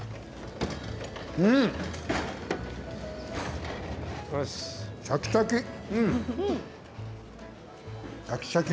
うん、シャキシャキ！